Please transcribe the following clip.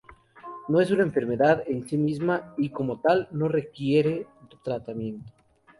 No es una enfermedad en sí misma y, como tal, no requiere tratamiento.